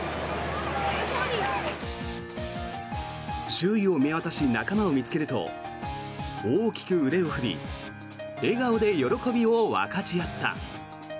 周囲を見渡し仲間を見つけると大きく腕を振り笑顔で喜びを分かち合った。